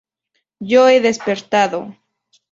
Yo he despertado.